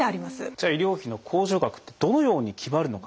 じゃあ医療費の控除額ってどのように決まるのか。